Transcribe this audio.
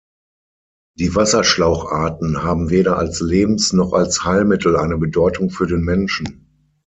Die Wasserschlauch-Arten haben weder als Lebens- noch als Heilmittel eine Bedeutung für den Menschen.